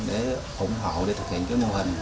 để ủng hộ thực hiện mô hình